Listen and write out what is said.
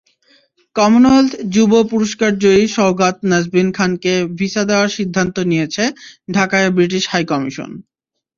Commonwealth যুব পুরস্কারজয়ী সওগাত নাজবিন খানকে ভিসা দেওয়ার সিদ্ধান্ত নিয়েছে ঢাকায় ব্রিটিশ হাইকমিশন।